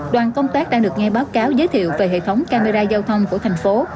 đoàn công tác đang được nghe báo cáo giới thiệu về hệ thống camera giao thông của thành phố